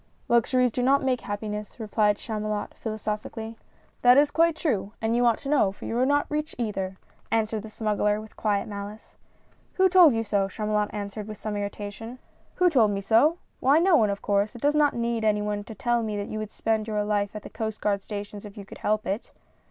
"Luxuries do not make happiness," replied Chamu lot, philosophically. " That is quite true, and you ought to know, for you are not rich either !" answered the Smuggler, with quiet malice. " Who told you so ?" Chamulot answered with some irritation. " Who told me so ? Why, no one, of course. It does not need any one to tell me that you would spend your life at the Coast Guard stations if you could help it."